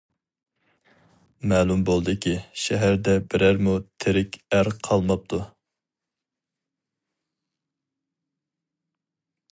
مەلۇم بولدىكى، شەھەردە بىرەرمۇ تېرىك ئەر قالماپتۇ.